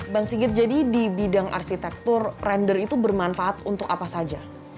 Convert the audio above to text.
bang sigit jadi di bidang arsitektur randor itu bermanfaat untuk apa saja